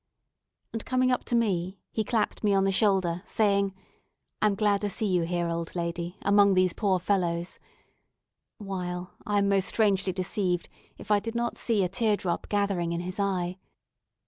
And, coming up to me, he clapped me on the shoulder, saying, "I am glad to see you here, old lady, among these poor fellows;" while, I am most strangely deceived if I did not see a tear drop gathering in his eye.